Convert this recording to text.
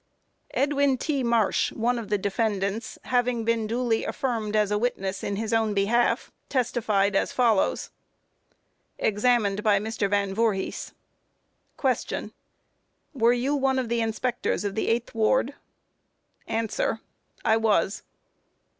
EDWIN T. MARSH, one of the defendants, having been duly affirmed as a witness in his own behalf, testified as follows: Examined by MR. VAN VOORHIS: Q. Were you one of the inspectors of the 8th ward? A. I was.